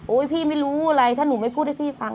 พี่ไม่รู้อะไรถ้าหนูไม่พูดให้พี่ฟัง